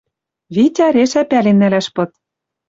Витя решӓ пӓлен нӓлӓш пыт.